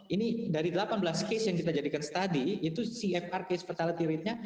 ini dari delapan belas case yang kita jadikan study itu cfr case fatality ratenya